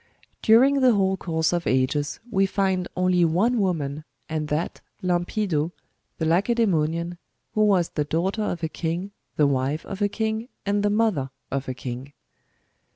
During the whole course of ages, we find only one woman, and that, Lampido, the Lacedgemonian, who was the daughter of a king, the wife of a king, and the mother of a king.